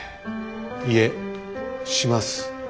いえします。